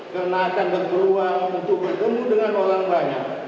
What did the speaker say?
karena akan berperuang untuk bertemu dengan orang banyak